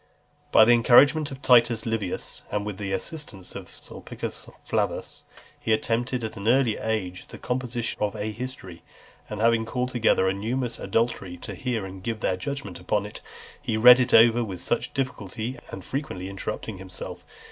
XLI. By the encouragement of Titus Livius , and with the assistance of Sulpicius Flavus, he attempted at an early age the composition of a history; and having called together a numerous auditory, to hear and give their judgment upon it, he read it over with much difficulty, and frequently interrupting himself.